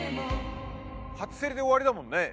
初競りで終わりだもんね。